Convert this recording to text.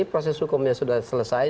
proses hukumnya sudah selesai